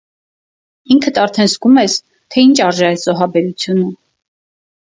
ինքդ արդեն զգում ես, թե ի՛նչ արժե այս զոհաբերությունը…